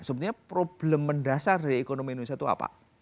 sebenarnya problem mendasar dari ekonomi indonesia itu apa